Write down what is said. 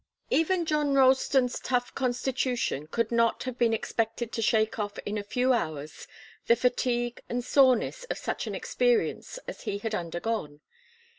Even John Ralston's tough constitution could not have been expected to shake off in a few hours the fatigue and soreness of such an experience as he had undergone.